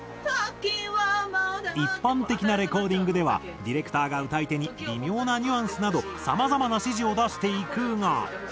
一般的なレコーディングではディレクターが歌い手に微妙なニュアンスなどさまざまな指示を出していくが。